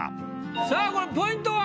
さあこれポイントは？